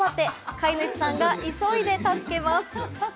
飼い主さんが急いで助けます。